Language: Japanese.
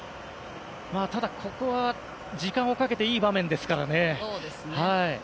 ただ、ここは時間をかけていい場面ですからね。